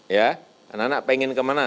ya anak anak pengen kemana